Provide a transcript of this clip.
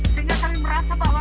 sehingga kami merasa bahwa